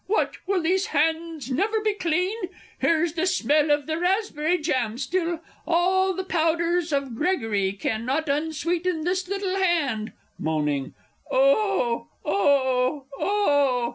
What will these hands never be clean? Here's the smell of the raspberry jam still! All the powders of Gregory cannot unsweeten this little hand ... (Moaning.) Oh, oh, oh!